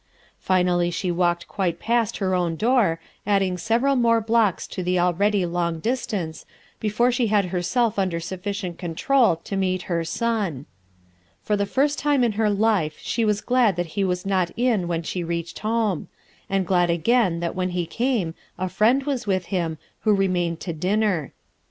Finally she walked quite past her own door, adding several more blocks to the already l ong distance, before she had herself under suffi cient control to meet her son. For the first time in her life she was glad that he was not in when she reached home; and glad again that when he came a friend was with him, who re mained to dinner.